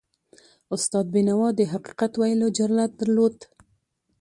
استاد بینوا د حقیقت ویلو جرأت درلود.